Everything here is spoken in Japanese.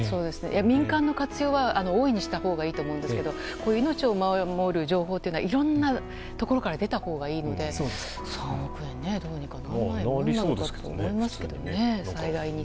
民間の活用は大いにしたほうがいいと思うんですが命を守る情報というのはいろんなところから出たほうがいいので３億円、どうにかならないのかなと思いますけどね。